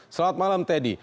selamat malam teddy